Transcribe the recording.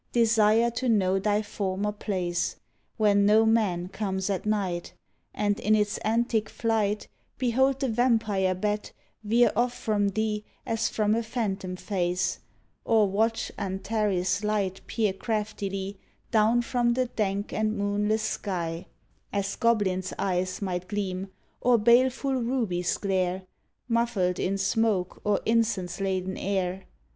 Desire to know thy former place. Where no man comes at night, 35 fHE HOUSE OF ORCHIDS And in its antic flight Behold the vampire bat veer off from thee As from a phantom face, Or watch Antares' light peer craftily Down from the dank and moonless sky, As goblins' ej^es might gleam Or baleful rubies glare, Muffled in smoke or incense laden air.